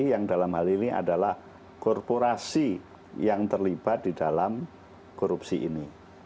yang dalam hal ini adalah korporasi yang terlibat di dalam korupsi ini